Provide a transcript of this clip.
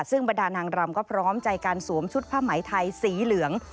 ซึ่งบรรดานางรำก็พร้อมใจการสวมชุดผ้าไหมไทยสีเหลือง